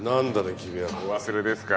君はお忘れですか？